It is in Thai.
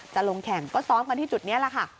จะลงแข่งก็ซ้อมกันที่จุดนี้แหละค่ะ